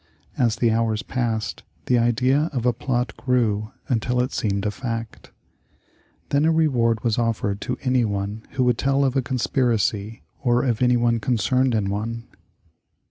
As the hours passed, the idea of a plot grew until it seemed a fact. Then a reward was offered to anyone who would tell of a conspiracy or of anyone concerned in one.